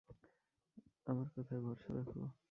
আমার কথায় ভরসা রাখো।